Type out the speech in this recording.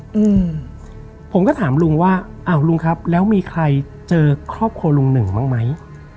อืมผมก็ถามลุงว่าอ้าวลุงครับแล้วมีใครเจอครอบครัวลุงหนึ่งบ้างไหม